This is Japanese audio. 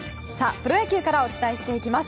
プロ野球からお伝えしていきます。